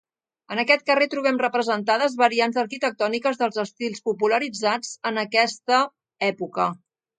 En aquest carrer trobem representades variants arquitectòniques dels estils popularitzats en aquesta època.